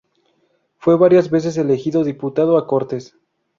Fue varias veces elegido diputado a Cortes.